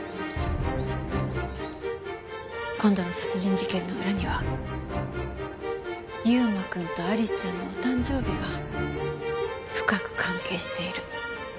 今度の殺人事件の裏には優馬くんとアリスちゃんのお誕生日が深く関係している。